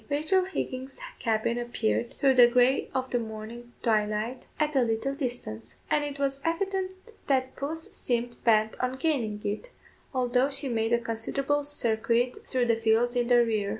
Rachel Higgins's cabin appeared, through the grey of the morning twilight, at a little distance; and it was evident that puss seemed bent on gaining it, although she made a considerable circuit through the fields in the rear.